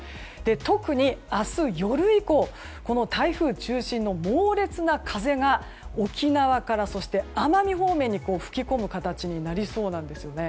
特に、明日夜以降この台風中心の猛烈な風が沖縄から、そして奄美方面に吹き込む形になりそうです。